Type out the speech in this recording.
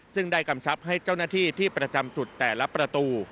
ซึ่งได้กำชับให้เจ้าหน้าที่ที่ประจำจุดแต่ละประตู